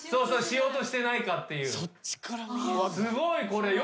しようとしてないかっていう。